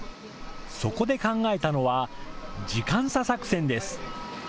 そこで考えたのは時間差作戦です。